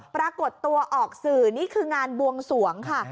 ปรากฏตัวออกสื่อนี่คืองานบวงสวงค่ะ